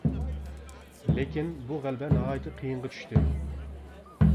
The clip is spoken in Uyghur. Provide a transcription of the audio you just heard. لېكىن بۇ غەلىبە ناھايىتى قىيىنغا چۈشتى.